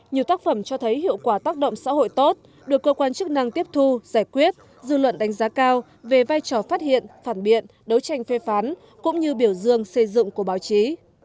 nhiều tác phẩm cho thấy hiệu quả tác động xã hội tốt được cơ quan chức năng tiếp thu giải quyết dư luận đánh giá cao về vai trò phát hiện phản biện đấu tranh phê phán cũng như biểu dương xây dựng của báo chí